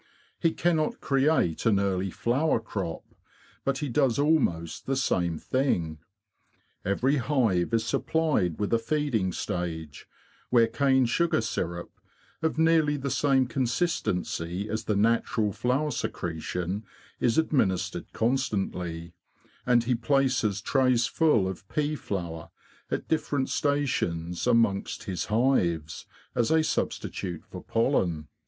He cannot create an early flower crop, but he does almost the same thing. Every hive is supplied with a feeding stage, where cane sugar syrup, of nearly the same consistency as the natural flower secretion, is administered constantly; and he places trays full of pea flour at different stations amongst his hives, as a substitute for pollen.